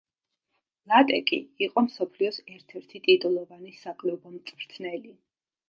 ლატეკი იყო მსოფლიოს ერთ-ერთი ტიტულოვანი საკლუბო მწვრთნელი.